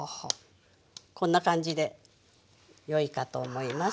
こんな感じでよいかと思います。